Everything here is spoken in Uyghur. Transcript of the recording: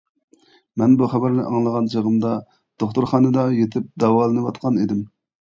مەن بۇ خەۋەرنى ئاڭلىغان چېغىمدا دوختۇرخانىدا يېتىپ داۋالىنىۋاتقان ئىدىم.